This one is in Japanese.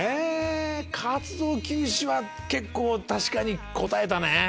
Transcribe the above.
活動休止は結構確かにこたえたね。